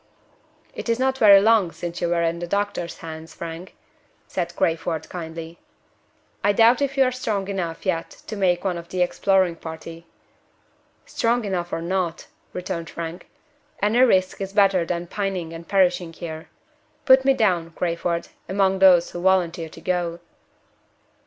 "It is not very long since you were in the doctor's hands, Frank," said Crayford, kindly. "I doubt if you are strong enough yet to make one of the exploring party." "Strong enough or not," returned Frank, "any risk is better than pining and perishing here. Put me down, Crayford, among those who volunteer to go."